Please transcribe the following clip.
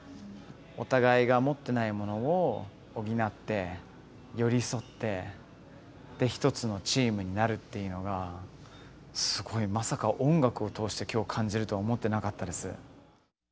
お互いが持ってないものを補って寄り添って一つのチームになるっていうのがすごいまさか音楽を通して今日感じるとは思ってなかったです。